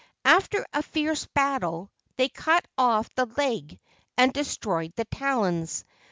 After a fierce battle they cut off the leg and destroyed the talons.